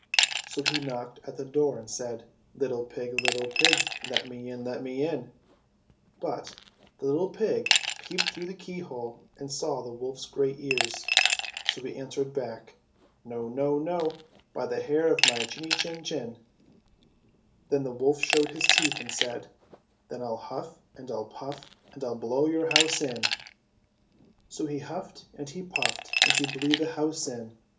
So he knocked at the door and said :^^ Little pig ! Little pig ! Let me in ! Let me in / But the little pig peeped through the keyhole and saw the wolf's great ears, so he answered back : ''No ! No ! No ! by the hair of my chinny chin chin /" 174 ENGLISH FAIRY TALES Then the wolf showed his teeth and said :" Then Vll huff and I'll puff and Vll blow your house in! So he huffed and he puffed and he blew the house in.